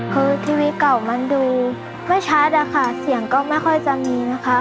คือทีวีเก่ามันดูไม่ชัดอะค่ะเสียงก็ไม่ค่อยจะมีนะคะ